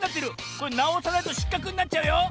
これなおさないとしっかくになっちゃうよ。